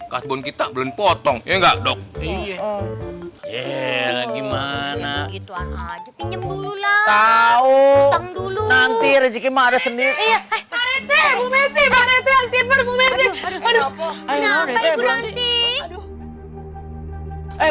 kita belum potong ya enggak dok gimana dulu nanti rezeki maret sendiri